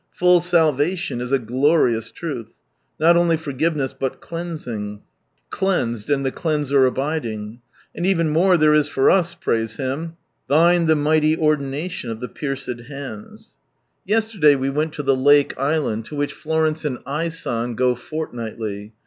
Full salvation is a glorious truth. Not only forgiveness but cleansing, "Cleansed, and the Cleanser abiding," And even more, there is for us, praise Him ; "Thine the mighty ordination of the piercfed hands." Yesterday we went to the lake island, to which Florence and I. San go fort nightly.